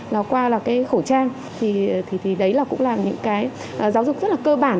nó qua là cái khẩu trang thì đấy là cũng là những cái giáo dục rất là cơ bản